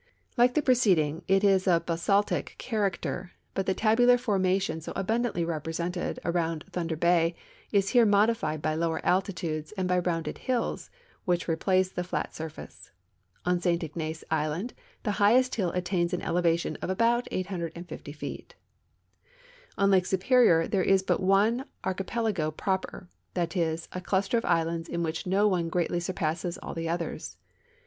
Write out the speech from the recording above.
Like the preceding, it is of basaltic character, hut the tal)ular formation so abundantly represented about Thunder l)ay is here modified by lower altitudes and by rounded hills, which replace tiie flat surface. On St Ignace island the highest hill attains an eleva tion of about 850 feet. In Lake Superior there is but one archipelago proper — that is, a cluster of islands in which no one greatly surpasses all the others.